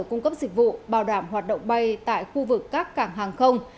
cung cấp dịch vụ bảo đảm hoạt động bay tại khu vực các cảng